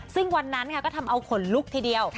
ซึ่งวันนั้นก็ทำเอาขนลุกทีเดียว